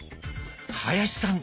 林さん